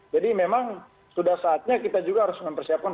jadi memang sudah saatnya kita juga harus mempersiapkan